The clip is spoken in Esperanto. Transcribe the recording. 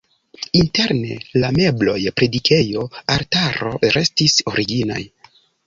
Interne la mebloj, predikejo, altaro restis originaj.